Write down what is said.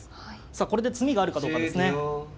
さあこれで詰みがあるかどうかですね。